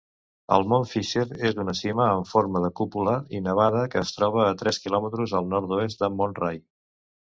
El Mont Fisher és una cima amb forma de cúpula i nevada que es troba a tres quilòmetres al nord-oest del Mont Ray.